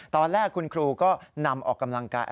ตอนแรกคุณครูก็นำออกกำลังกาย